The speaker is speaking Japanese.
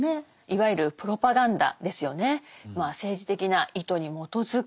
いわゆるプロパガンダですよね。